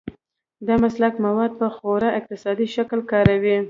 دا مسلک مواد په خورا اقتصادي شکل کاروي.